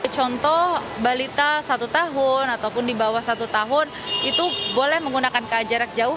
contoh balita satu tahun ataupun di bawah satu tahun itu boleh menggunakan ka jarak jauh